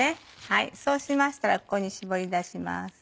そうしましたらここに絞り出します。